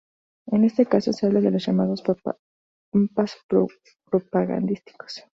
En este caso, se habla de los llamados mapas propagandísticos.